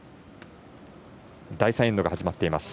第３エンドが始まっています。